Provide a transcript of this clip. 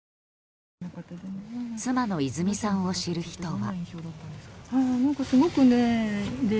妻の泉さんを知る人は。